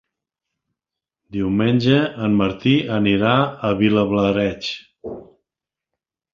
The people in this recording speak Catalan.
Diumenge en Martí anirà a Vilablareix.